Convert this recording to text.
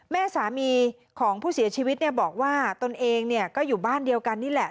แม่สามีของผู้เสียชีวิตบอกว่าตนเองก็อยู่บ้านเดียวกันนี่แหละ